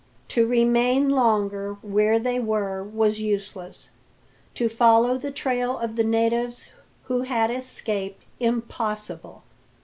To remain longer where they were was useless; to follow the trail of the natives who had escaped, impossible.